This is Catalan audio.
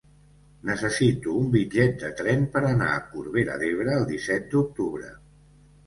Necessito un bitllet de tren per anar a Corbera d'Ebre el disset d'octubre.